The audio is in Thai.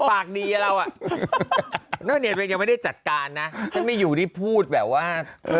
ปากดีเราอ่ะนอกเนียนตัวเองยังไม่ได้จัดการนะฉันไม่อยู่ที่พูดแบบว่า